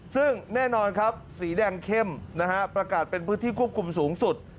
ซึ่งแน่นอนครับสีแดงเข้มนะฮะประกาศเป็นพื้นที่ควบคุมสูงสุด